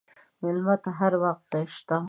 مېلمه ته هر وخت ځای شته.